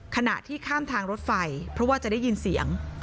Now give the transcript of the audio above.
ขณะที่ข้ามทางรถไฟเพราะว่าจะได้ยินเสียง